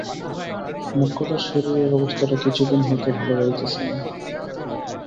মোক্ষদার শরীরের অবস্থাটা কিছুদিন হইতে ভালো যাইতেছে না।